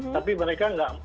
tapi mereka tidak menerima